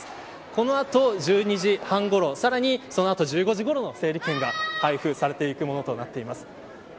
この後、１２時半ごろさらに、その後１５時ごろの整理券が配布されていくものとなっています。